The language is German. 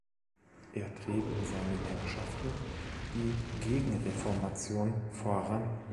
Er trieb in seinen Herrschaften die Gegenreformation voran.